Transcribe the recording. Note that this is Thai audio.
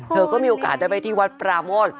เธอก็มีโอกาสได้ไปที่วัดปราโมท